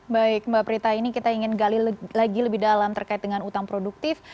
baik mbak prita ini kita ingin gali lagi lebih dalam terkait dengan utang produktif